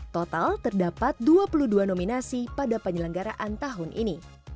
total terdapat dua puluh dua nominasi pada penyelenggaraan tahun ini